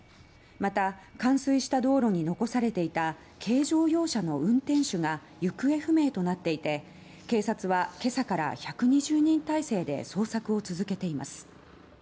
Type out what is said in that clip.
また冠水した道路に残されていた軽乗用車の運転手が行方不明となっていて警察はけさから１２０人態勢で捜索を続けています。